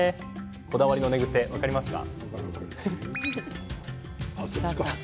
こだわりの寝癖、分かりますか？